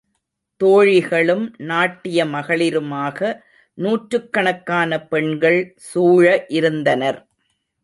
தோழிகளும் நாட்டிய மகளிருமாக நூற்றுக்கணக்கான பெண்கள் சூழ இருந்தனர்.